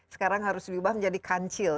sekarang harus diubah menjadi kancil